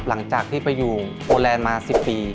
หลังจากที่ไปอยู่โฟแลนด์มา๑๐ปี